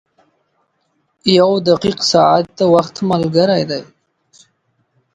• یو دقیق ساعت د وخت ملګری دی.